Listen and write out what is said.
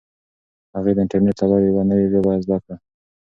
هغې د انټرنیټ له لارې یوه نوي ژبه زده کړه.